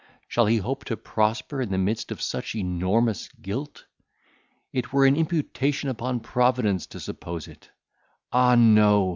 Shall he hope to prosper in the midst of such enormous guilt? It were an imputation upon Providence to suppose it! Ah, no!